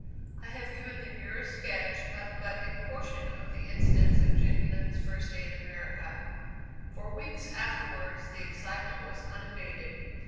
I have given the merest sketch of but a portion of the incidents of Jenny Lind's first day in America. For weeks afterwards the excitement was unabated.